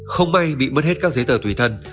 không bay bị mất hết các giấy tờ tùy thân